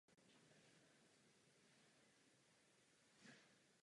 Jako jeho předchůdce je plně obojživelné.